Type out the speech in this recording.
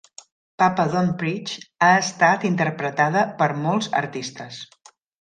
"Papa Don't Preach" ha estat interpretada per molts artistes.